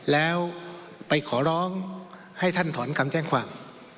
แล้วไปขอร้องให้ท่านถอนคำแจ้งความ